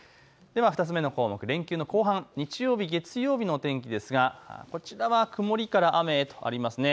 では２つ目の項目、連休の後半、日曜日、月曜日の天気ですがこちらは曇りから雨へとありますね。